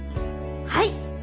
はい！